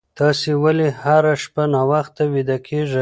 تاسي ولې هره شپه ناوخته ویده کېږئ؟